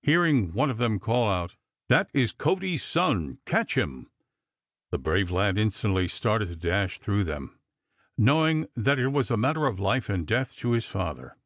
Hearing one of them call out, "That is Cody's son, catch him," the brave lad instantly started to dash through them, knowing that it was a matter of life and death to his father.